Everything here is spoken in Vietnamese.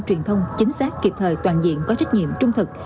truyền thông chính xác kịp thời toàn diện có trách nhiệm trung thực